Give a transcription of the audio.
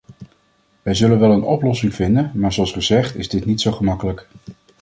Wij zullen wel een oplossing vinden, maar zoals gezegd is dit niet zo gemakkelijk.